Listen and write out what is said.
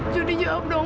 jodi jawab dong